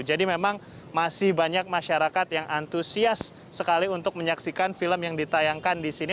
jadi memang masih banyak masyarakat yang antusias sekali untuk menyaksikan film yang ditayangkan di sini